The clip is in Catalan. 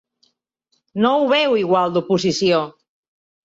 No ho veu igual l’oposició.